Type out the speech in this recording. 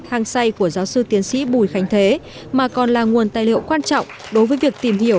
hàng say của giáo sư tiến sĩ bùi khánh thế mà còn là nguồn tài liệu quan trọng đối với việc tìm hiểu